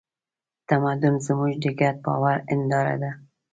تمدن زموږ د ګډ باور هینداره ده.